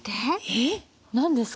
えっ何ですか？